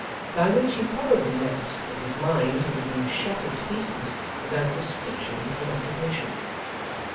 By which he probably meant that his mind would have been shattered to pieces without this fiction of an occupation.